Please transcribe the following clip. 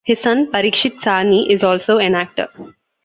His son Parikshit Sahni is also an actor.